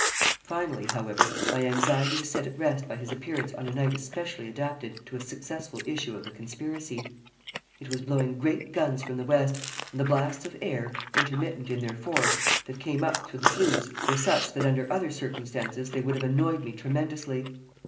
Finally, however, my anxiety was set at rest by his appearance on a night especially adapted to a successful issue of the conspiracy. It was blowing great guns from the west, and the blasts of air, intermittent in their force, that came up through the flues were such that under other circumstances they would have annoyed me tremendously.